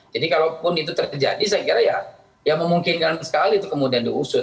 jadi kalaupun itu terjadi saya kira ya memungkinkan sekali itu kemudian diusut